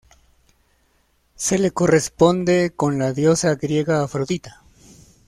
Se le corresponde con la Diosa griega Afrodita.